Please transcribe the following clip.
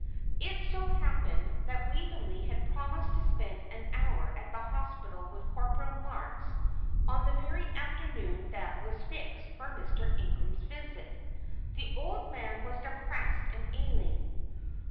It so happened that Waveney had promised to spend an hour at the Hospital with Corporal Marks on the very afternoon that was fixed for Mr. Ingram's visit. The old man was depressed and ailing.